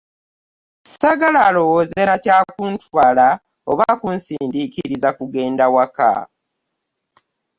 Sagala alowooze na kukyakuntwala oba kunsindikiriza kugenda waka .